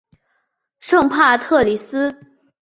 圣帕特里斯。